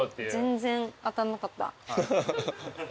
全然当たんなかった。